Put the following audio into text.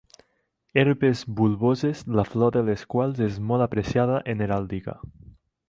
Herbes bulboses la flor de les quals és molt apreciada en heràldica.